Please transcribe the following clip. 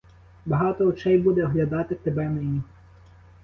Багато очей буде оглядати тебе нині.